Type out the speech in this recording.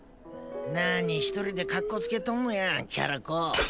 何一人でかっこつけとんのやキャラ公。